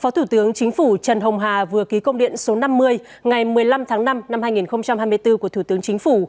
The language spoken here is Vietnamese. phó thủ tướng chính phủ trần hồng hà vừa ký công điện số năm mươi ngày một mươi năm tháng năm năm hai nghìn hai mươi bốn của thủ tướng chính phủ